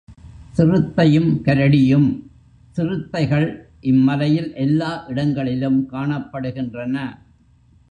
சிறுத்தையும் கரடியும் சிறுத்தைகள் இம் மலையில் எல்லா இடங்களிலும் காணப்படுகின்றன.